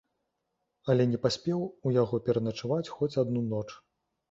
Але не паспеў у яго пераначаваць хоць адну ноч.